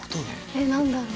えっなんだろう？